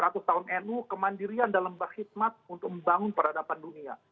seratus tahun nu kemandirian dalam berkhidmat untuk membangun peradaban dunia